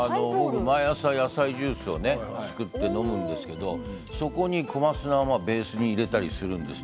毎朝、ジュースを作って飲んでいるんですけどそこに小松菜をベースで入れています。